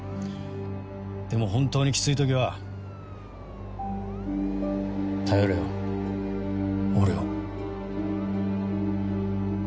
でも本当にキツい時は頼れよ俺を。